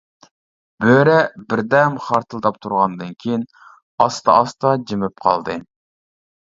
بۆرە بىردەم خارتىلداپ تۇرغاندىن كىيىن ئاستا-ئاستا جىمىپ قالدى.